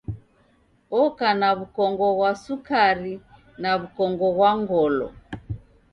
Oka na w'ukongo ghwa sukari na w'ukongo ghwa ngolo.